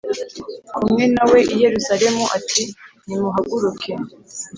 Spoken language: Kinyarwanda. kumwe na we i Yerusalemu ati Nimuhaguruke